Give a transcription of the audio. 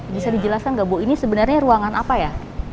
bisa dijelaskan nggak bu ini sebenarnya ruangan apa ya